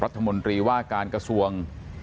รัฐมนตรีว่าการกระทรวง